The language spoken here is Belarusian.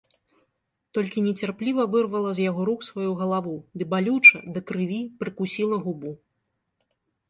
Толькі нецярпліва вырвала з яго рук сваю галаву ды балюча, да крыві, прыкусіла губу.